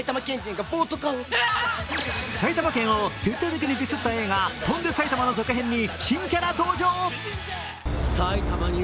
埼玉県を徹底的にディスった映画「翔んで埼玉」の続編に新キャラ登場！